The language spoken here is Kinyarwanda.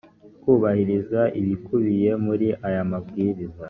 kubahiriza ibikubiye muri aya mabwiriza